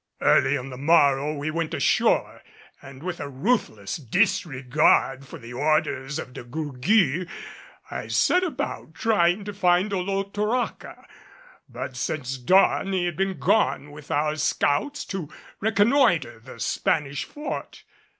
Early on the morrow we went ashore and with a ruthless disregard for the orders of De Gourgues I set about trying to find Olotoraca. But since dawn he had been gone with our scouts to reconnoiter the Spanish fort.